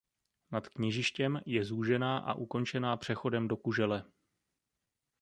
Nad kněžištěm je zúžená a ukončená přechodem do kužele.